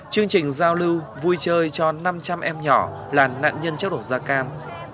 chương trình giao lưu vui chơi cho năm trăm linh em nhỏ là nạn nhân chất độc da cam